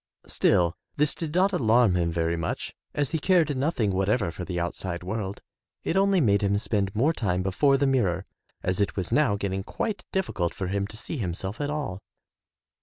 Still, this did not alarm him very much as he cared nothing whatever for the outside world. It only made him spend more time before the mirror, as it was now getting quite difficult for him to see himself at all.